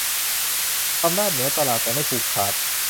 อำนาจเหนือตลาดแต่ไม่ผูกขาด